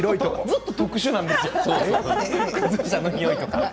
ずっと特殊なんですよ。